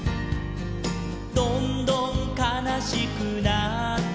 「どんどんかなしくなって」